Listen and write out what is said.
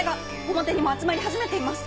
表にも集まり始めています。